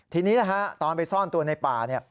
ทีนี้นะฮะตอนไปซ่อนตัวในป่า